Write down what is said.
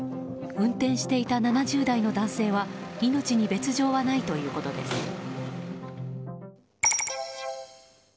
運転していた７０代の男性は命に別条はないということです。